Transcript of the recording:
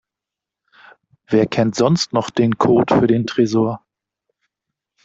Wer kennt sonst noch den Code für den Tresor?